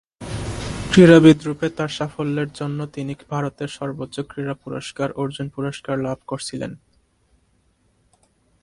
ক্রীড়াবিদ রূপে তার সাফল্যের জন্যে তিনি ভারতের সর্বোচ্চ ক্রীড়া পুরস্কার অর্জুন পুরস্কার লাভ করেছেন।